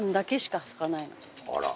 あら。